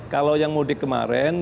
kalau yang mudik kemarin